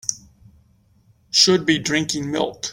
Should be drinking milk.